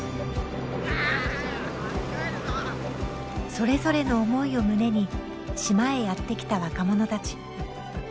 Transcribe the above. それぞれの思いを胸に島へやって来た若者たち。